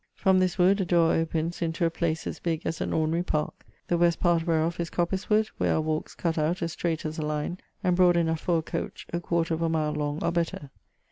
From this wood a dore opens into ..., a place as big as an ordinary parke, the west part wherof is coppice wood, where are walkes cutt out as straight as a line, and broade enoug for a coach, a quarter of a mile long or better.